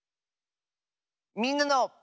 「みんなの」。